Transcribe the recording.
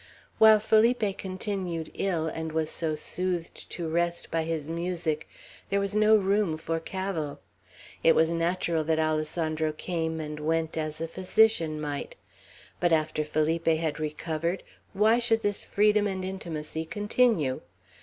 While Felipe continued ill, and was so soothed to rest by his music, there was no room for cavil. It was natural that Alessandro came and went as a physician might. But after Felipe had recovered, why should this freedom and intimacy continue?